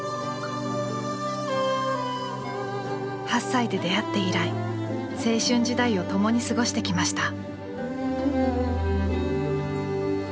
８歳で出会って以来青春時代を共に過ごしてきました。